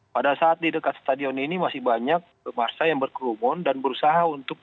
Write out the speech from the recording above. pada saat di dekat stadion ini masih banyak pemarsah